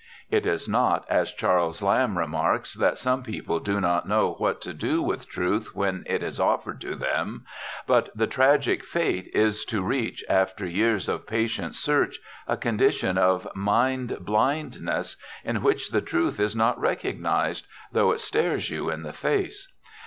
It is not, as Charles Lamb remarks, that some people do not know what to do with truth when it is offered to them, but the tragic fate is to reach, after years of patient search, a condition of mind blindness in which the truth is not recognized, though it stares you in the face.